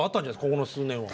この数年は。